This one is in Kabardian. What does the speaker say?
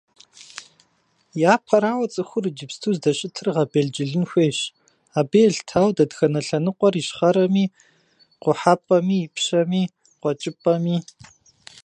Япэрауэ, цӀыхур иджыпсту здэщытыр гъэбелджылын хуейщ, абы елъытауэ дэтхэнэ лъэныкъуэр ищхъэрэми, къухьэпӀэми, ипщэми, къуэкӀыпӀэми.